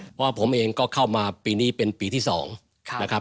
เพราะว่าผมเองก็เข้ามาในปีที่สองนะครับ